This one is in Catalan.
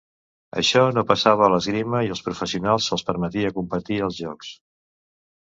Això no passava a l'esgrima i als professionals se'ls permetia competir als Jocs.